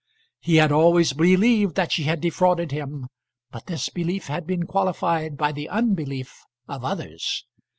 He had always believed that she had defrauded him, but this belief had been qualified by the unbelief of others.